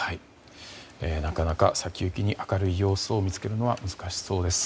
なかなか先行きに明るい要素を見つけるのは難しそうです。